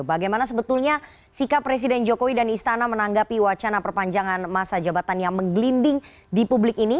bagaimana sebetulnya sikap presiden jokowi dan istana menanggapi wacana perpanjangan masa jabatan yang menggelinding di publik ini